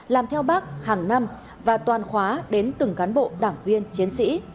làm theo bác hàng năm và toàn khóa đến từng cán bộ đảng viên chiến sĩ